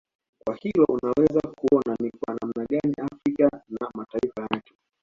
Kwa hiyo unaweza kuona ni kwa namna gani Afrika na mataifa yake